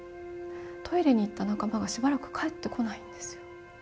トイレに行った仲間がしばらく帰ってこないんですよ。